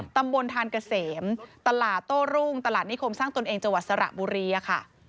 ตำบลทานเกษมตลาดโต้รุ่งตลาดนิคมสร้างตนเองจังหวัดสระบุรีค่ะ